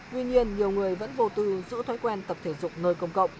tuy nhiên nhiều người vẫn vô tư giữ thói quen tập thể dục nơi công cộng